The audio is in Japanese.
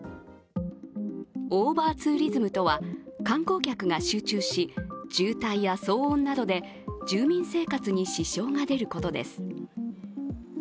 オーバーツーリズムとは観光客が集中し、渋滞や騒音などで住民生活に支障が出ることです。